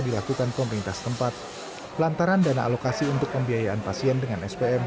dilakukan pemerintah tempat lantaran dana alokasi untuk pembiayaan pasien dengan spm